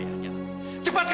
yang sign tabii hebat mereka